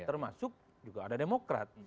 termasuk juga ada demokrat